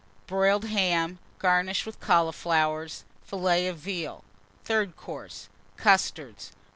Broiled Ham, garnished with Cauliflowers. Filet of Veal. Third Course. Custards.